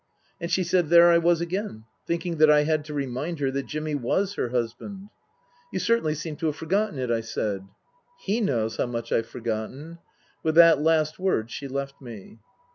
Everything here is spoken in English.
And she said there I was again thinking that I had to remind her that Jimmy was her husband. " You certainly seem to have forgotten it," I said. " He knows how much I've forgotten." With that last word she left me.